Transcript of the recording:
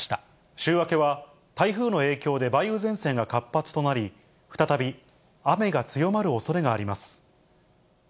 週明けは台風の影響で梅雨前線が活発となり、再び雨が強まるおそれがあります。